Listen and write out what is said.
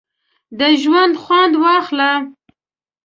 د ژونده خوند واخله!